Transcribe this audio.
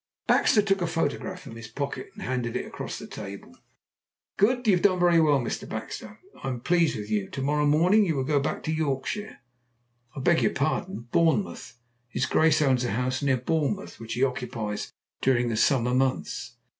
Baxter took a photograph from his pocket and handed it across the table. "Good. You have done very well, Mr. Baxter. I am pleased with you. To morrow morning you will go back to Yorkshire " "I beg your pardon, Bournemouth. His Grace owns a house near Bournemouth, which he occupies during the summer months."